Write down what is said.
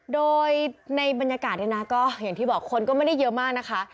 โดยในบรรยากาศเนี่ยนะก็อย่างที่บอกคนก็ไม่ได้เยอะมากนะคะ